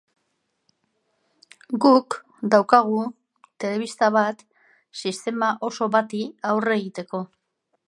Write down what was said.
Guk daukagu telebista bat sistema oso bati aurre egiteko.